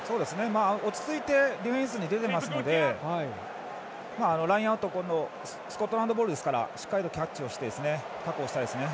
落ち着いてディフェンスに出ていますのでラインアウトスコットランドボールですからしっかりキャッチして確保したいですね。